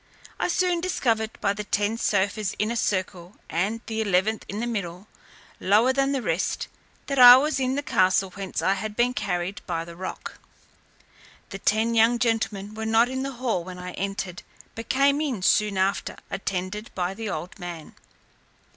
I soon discoved by the ten sofas in a circle, and the eleventh in the middle, lower than the rest, that I was in the castle whence I had been carried by the roc. The ten young gentlemen were not in the hall when I entered; but came in soon after, attended by the old man.